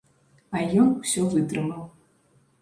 А ён усё вытрымаў.